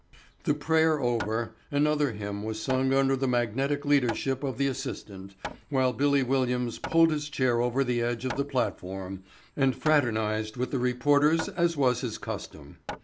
The prayer over, another hymn was sung under the magnetic leadership of the assistant, while "Billy" Williams pulled his chair over the edge of the platform and fraternized with the reporters as was his custom.